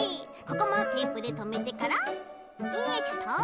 ここもテープでとめてからよいしょっと。